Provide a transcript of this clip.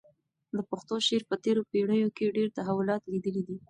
د پښتو شعر په تېرو پېړیو کې ډېر تحولات لیدلي دي.